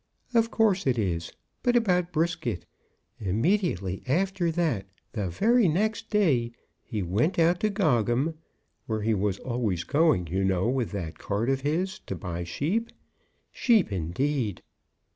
"Of course it is. But about Brisket. Immediately after that, the very next day, he went out to Gogham, where he was always going, you know, with that cart of his, to buy sheep. Sheep, indeed!"